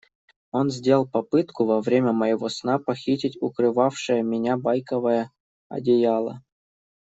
Он сделал попытку во время моего сна похитить укрывавшее меня байковое одеяло.